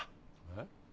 えっ？